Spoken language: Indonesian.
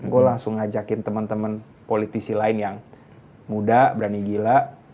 gue langsung ngajakin teman teman politisi lain yang muda berani gila